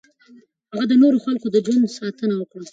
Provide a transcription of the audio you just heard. هغه د نورو خلکو د ژوند ساتنه وکړه.